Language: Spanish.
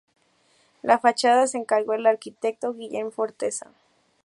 La fachada se encargó al arquitecto Guillem Forteza.